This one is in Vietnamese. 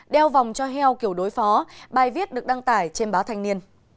đeo vòng cho heo kiểu đối phó bài viết được đăng tải trên báo thanh niên